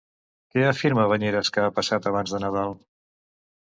Què afirma Bañeres que ha passat abans de Nadal?